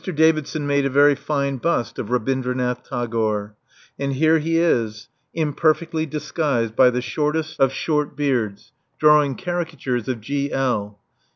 Davidson made a very fine bust of Rabindranath Tagore. And here he is, imperfectly disguised by the shortest of short beards, drawing caricatures of G. L.